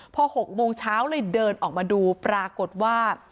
พอ๖โมงเช้าเลยเดินออกมาดูปรากฏว่า